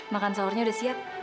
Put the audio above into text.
makan sahurnya sudah siap